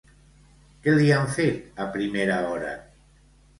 Què li han fet a primera hora?